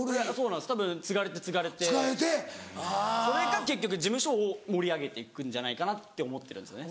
たぶん継がれて継がれてそれが結局事務所を盛り上げていくんじゃないかなって思ってるんですよね。